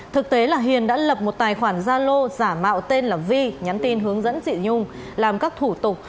thực tế là hiền đã lập một tài khoản gia lô giả mạo tên là vi nhắn tin hướng dẫn chị nhung làm các thủ tục